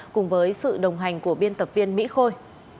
cùng với sự đồng hành của biên tập viên mỹ khôi